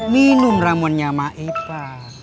minum ramonnya mak ipa